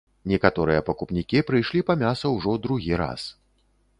Некаторыя пакупнікі прыйшлі па мяса ўжо другі раз.